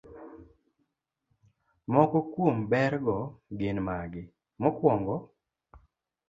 Moko kuom bergo gin magi: Mokwongo,